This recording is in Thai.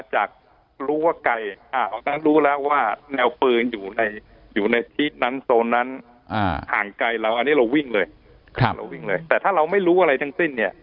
ห่างไกลแล้วอันนี้เราวิ่งเลยแต่ถ้าเราไม่รู้อะไรทั้งสิ้นเนี่ย